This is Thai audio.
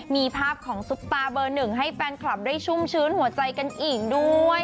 มีภาพของซุปตาเบอร์หนึ่งให้แฟนคลับได้ชุ่มชื้นหัวใจกันอีกด้วย